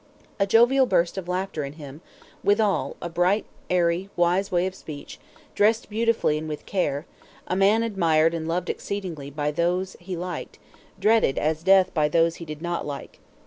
A jovial burst of laughter in him, withal; a bright, airy, wise way of speech; dressed beautifully and with care; a man admired and loved exceedingly by those he liked; dreaded as death by those he did not like.